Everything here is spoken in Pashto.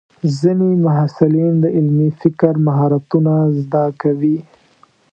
ځینې محصلین د علمي فکر مهارتونه زده کوي.